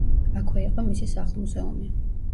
აქვე იყო მისი სახლ-მუზეუმი.